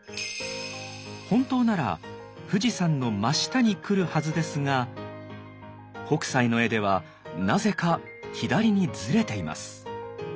本当なら富士山の真下に来るはずですが北斎の絵ではなぜか左にずれています。